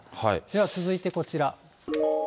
では続いてこちら。